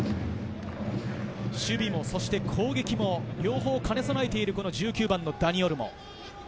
守備も攻撃も両方、兼ね備えている１９番のダニ・オルモ。